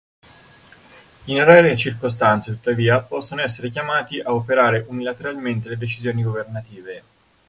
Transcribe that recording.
In rare circostanze, tuttavia, possono essere chiamati a operare unilateralmente le decisioni governative.